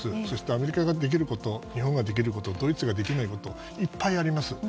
そしてアメリカができること日本ができることドイツができないこといっぱいあります。